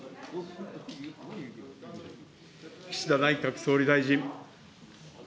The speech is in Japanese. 岸田内閣総理大臣。